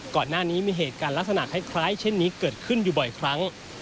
ก่อนหน้านี้มีเหตุการณ์ลักษณะคล้ายเช่นนี้เกิดขึ้นอยู่บ่อยครั้ง